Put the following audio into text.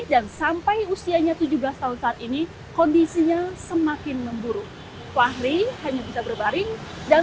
sampai usianya tujuh belas tahun saat ini kondisinya semakin memburuk fahri hanya bisa berbaring dan